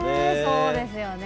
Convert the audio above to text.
そうですよね。